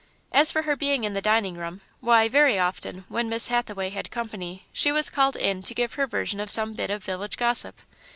As for her being in the dining room why, very often, when Miss Hathaway had company, she was called in to give her version of some bit of village gossip.